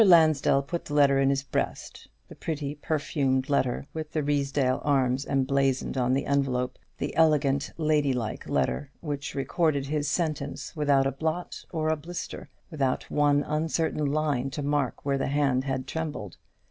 Lansdell put the letter in his breast; the pretty perfumed letter, with the Ruysdale arms emblazoned on the envelope, the elegant ladylike letter, which recorded his sentence without a blot or a blister, without one uncertain line to mark where the hand had trembled.